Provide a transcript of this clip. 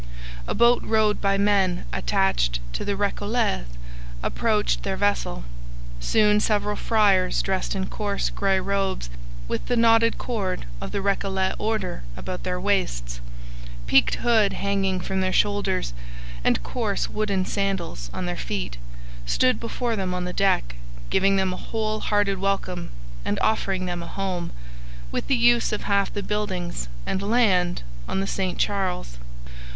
A boat rowed by men attached to the Recollets approached their vessel. Soon several friars dressed in coarse grey robes, with the knotted cord of the Recollet order about their waists, peaked hood hanging from their shoulders, and coarse wooden sandals on their feet, stood before them on the deck, giving them a wholehearted welcome and offering them a home, with the use of half the buildings and land on the St Charles.